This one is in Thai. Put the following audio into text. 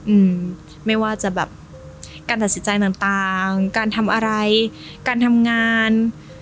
อืมไม่ว่าจะแบบการตัดสินใจต่างต่างการทำอะไรการทำงาน